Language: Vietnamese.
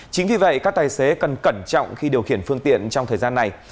chính vì vậy các tài xế cần cẩn trọng khi điều khiển phương tiện trong thời gian này